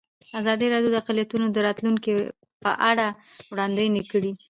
ازادي راډیو د اقلیتونه د راتلونکې په اړه وړاندوینې کړې.